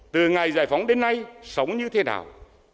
từ ngày giải phóng đến nay sống như thế nào